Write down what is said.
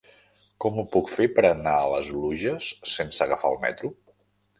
Com ho puc fer per anar a les Oluges sense agafar el metro?